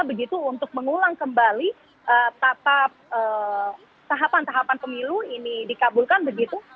begitu untuk mengulang kembali tahapan tahapan pemilu ini dikabulkan begitu